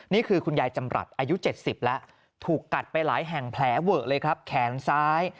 คุณยายจำรัฐอายุ๗๐แล้วถูกกัดไปหลายแห่งแผลเวอะเลยครับแขนซ้าย